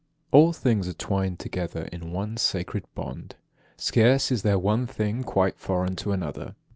9. All things are twined together, in one sacred bond. Scarce is there one thing quite foreign to another.